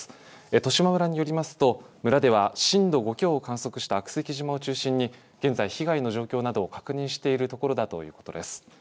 十島村によりますと村では震度５強を観測した悪石島を中心に現在、被害の状況などを確認しているところだということです。